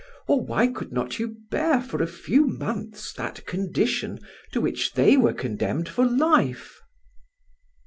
or why could not you bear for a few months that condition to which they were condemned for life?"